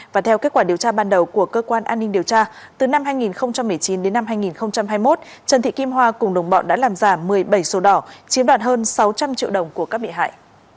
và theo kết quả điều tra ban đầu của cơ quan an ninh điều tra từ năm hai nghìn một mươi chín đến năm hai nghìn hai mươi một trần thị kim hoa cùng đồng bọn đã làm giả một mươi bảy sổ đỏ chiếm đoạt hơn sáu trăm linh triệu đồng của các bị hại